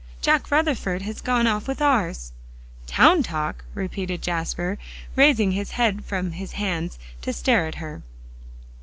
Jack Rutherford has gone off with ours." "Town Talk!" repeated Jasper, raising his head from his hands to stare at her.